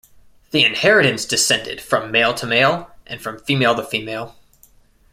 The inheritance descended from male to male and from female to female.